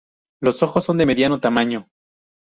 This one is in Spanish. Los ojos son de mediano tamaño.